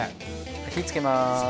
火つけます。